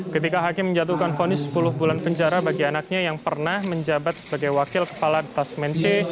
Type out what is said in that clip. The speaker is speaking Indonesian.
ketika hakim menjatuhkan fonis sepuluh bulan penjara bagi anaknya yang pernah menjabat sebagai wakil kepala detas mence